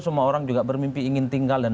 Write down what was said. semua orang juga bermimpi ingin tinggal dan